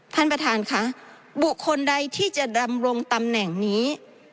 ท่านประธานค่ะบุคคลใดที่จะดำรงตำแหน่งนี้